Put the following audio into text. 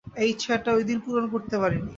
এই ইচ্ছাটা ওই দিন পূরণ করতে পারিনি।